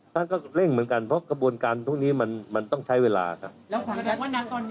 ถ้าน่าจะใช้เวลาอีกนานไหมครับท่านผลนี้จึงจะออกมาเพราะว่าหลายคน